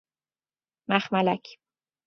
مخملک